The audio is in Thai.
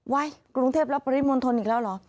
กรุงเทพและปริมณฑลอีกแล้วเหรอ